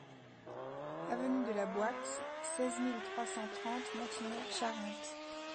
Avenue de la Boixe, seize mille trois cent trente Montignac-Charente